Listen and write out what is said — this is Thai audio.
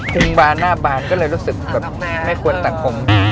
ทีมบานหน้าบานก็เลยรู้สึกแบบไม่ควรตัดผม